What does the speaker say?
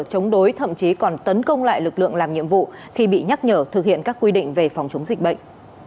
chống đối thậm chí còn tấn công lại lực lượng làm nhiệm vụ khi bị nhắc nhở thực hiện các quy định về phòng chống dịch bệnh